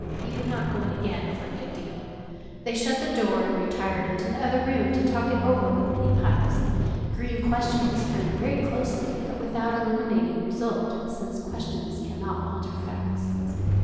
He would not go in again for a good deal. They shut the door and retired into the other room to talk it all over with many pipes. Greene questioned his friend very closely, but without illuminating result, since questions cannot alter facts.